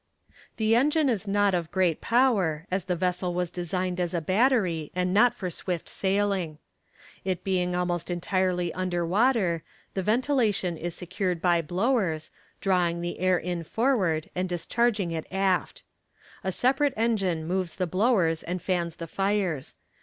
"The engine is not of great power, as the vessel was designed as a battery, and not for swift sailing. It being almost entirely under water, the ventilation is secured by blowers, drawing the air in forward, and discharging it aft. A separate engine moves the blowers and fans the fires.